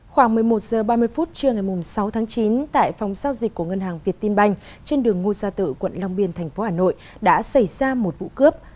khoảng một mươi một h ba mươi phút trưa ngày sáu tháng chín tại phòng giao dịch của ngân hàng việt tin banh trên đường ngô gia tự quận long biên tp hà nội đã xảy ra một vụ cướp